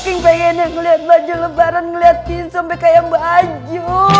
saking pengennya ngeliat baju lebaran ngeliat tisu sampai kayak baju